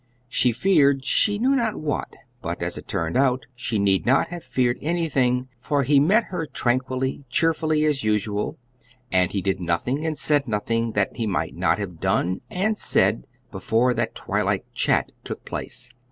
She feared she knew not what. But, as it turned out, she need not have feared anything, for he met her tranquilly, cheerfully, as usual; and he did nothing and said nothing that he might not have done and said before that twilight chat took place.